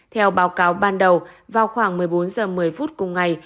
theo báo cáo ban đầu vào khoảng một mươi bốn h một mươi phút cùng ngày